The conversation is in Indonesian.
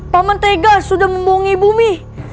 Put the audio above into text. pak man tegas sudah membongi bumi